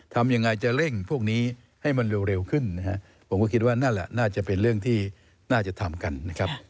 ทำยังไงจะเร่งพวกนี้ให้มันเร็วขึ้นนะฮะผมก็คิดว่านั่นแหละน่าจะเป็นเรื่องที่น่าจะทำกันนะครับ